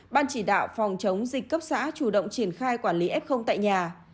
ban chỉ đạo phòng chống dịch cấp xã chủ động triển khai quản lý f tại nhà